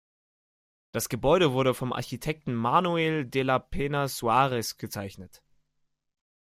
Das Gebäude wurde vom Architekten Manuel de la Peña Suarez gezeichnet.